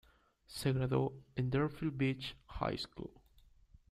Se graduó en Deerfield Beach High School.